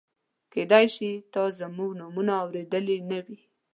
کېدای شي تا زموږ نومونه اورېدلي نه وي.